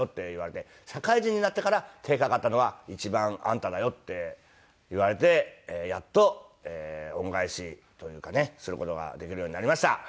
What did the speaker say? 「社会人になってから手がかかったのは一番あんただよ」って言われてやっと恩返しというかねする事ができるようになりました。